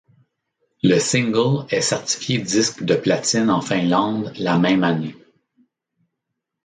Le single est certifié disque de platine en Finlande la même année.